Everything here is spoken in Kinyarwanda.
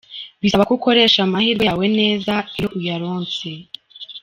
Bisaba ko ukoresha amahirwe yawe neza iyo uyaronse.